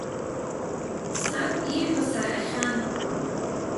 Саб иҳәо саҳахьан.